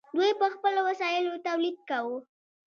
دوی په خپلو وسایلو تولید کاوه.